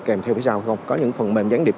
kèm theo phía sau không có những phần mềm gián điệp